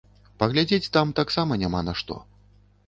Паглядзець там таксама няма на што.